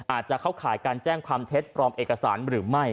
อาจจะเข้าข่ายการแจ้งความเท็จปลอมเอกสารหรือไม่